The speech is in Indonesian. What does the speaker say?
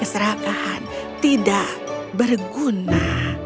keserakahan tidak berguna